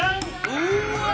うわ！